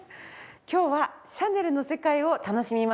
今日はシャネルの世界を楽しみます。